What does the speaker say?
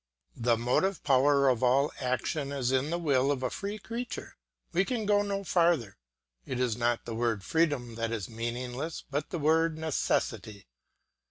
The motive power of all action is in the will of a free creature; we can go no farther. It is not the word freedom that is meaningless, but the word necessity.